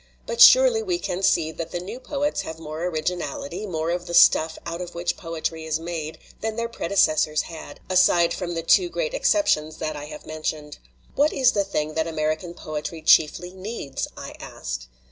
But surely we can see that the new poets have more originality, more of the stuff out of which poetry is made, than their predecessors had, aside from the two great exceptions that I have mentioned." " What is the thing that American poetry chiefly needs?" I asked.